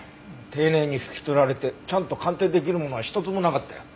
丁寧に拭き取られてちゃんと鑑定出来るものは一つもなかったよ。